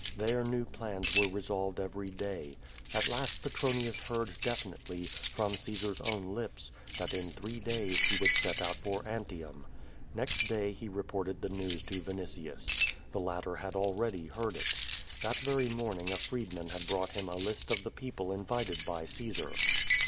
There new plans were revolved every day. At last Petronius heard definitely, from Caesar's own lips, that in three days he would set out for Antium. Next day he reported the news to Vinitius. The latter had already heard it. That very morning a freedman had brought him a list of the people invited by Caesar.